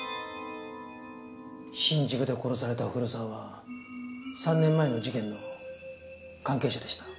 新宿で殺された古沢は３年前の事件の関係者でした。